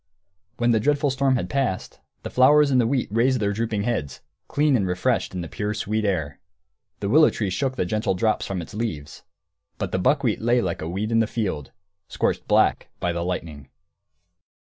When the dreadful storm had passed, the flowers and the wheat raised their drooping heads, clean and refreshed in the pure, sweet air. The willow tree shook the gentle drops from its leaves. But the buckwheat lay like a weed in the field, scorched black by the lightning.